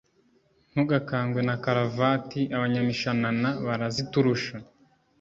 Ntugakangwe na karavati Abanyamishanana baraziturusha."